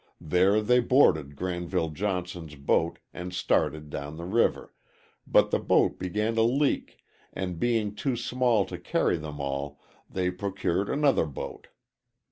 There they boarded Granville Johnson's boat and started down the river, but the boat began to leak, and being too small to carry them all, they procured another boat.